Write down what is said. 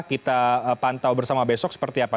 kita pantau bersama besok seperti apa